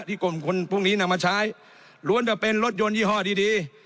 ที่กลมคุณพวกนี้นำมาใช้ล้วนจะเป็นรถยนต์ยี่ห้อดีดี